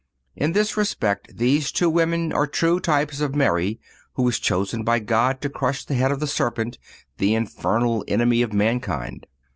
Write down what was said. In this respect these two women are true types of Mary, who was chosen by God to crush the head of the serpent, the infernal enemy of mankind.